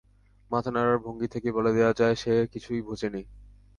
মাথা নাড়ার ভঙ্গি থেকেই বলে দেয়া যায়, সে কিছুই বোঝে নি।